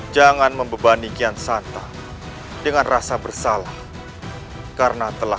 jangan lupa like share dan subscribe ya